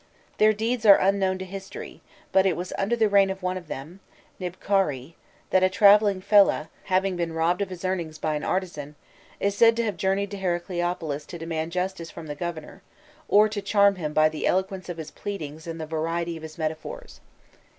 Their deeds are unknown to history, but it was under the reign of one of them Nibkaûrî that a travelling fellah, having been robbed of his earnings by an artisan, is said to have journeyed to Heracleopolis to demand justice from the governor, or to charm him by the eloquence of his pleadings and the variety of his metaphors.